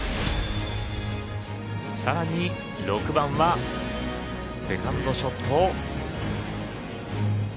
さらに６番はセカンドショットを。